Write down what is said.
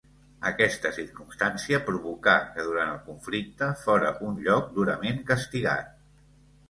Aquesta circumstància provocà que durant el conflicte fóra un lloc durament castigat.